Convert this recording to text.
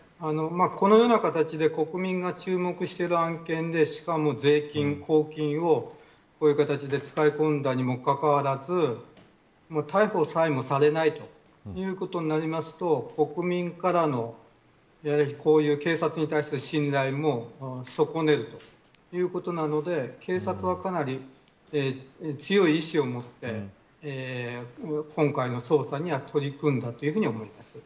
このような形で国民が注目している案件でしかも税金、公金をこういう形で使い込んだにもかかわらず逮捕さえもされないということになりますと国民からの警察に対する信頼も損ねるということなので、警察はかなり強い意志を持って今回の捜査には取り組んだと思います。